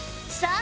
あ！